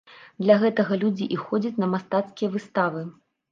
Для гэтага людзі і ходзяць на мастацкія выставы.